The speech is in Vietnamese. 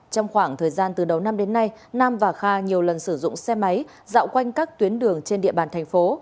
trong khoảng thời gian từ đầu năm đến nay nam và kha nhiều lần sử dụng xe máy dạo quanh các tuyến đường trên địa bàn thành phố